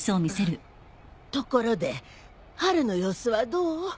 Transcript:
ところでハルの様子はどう？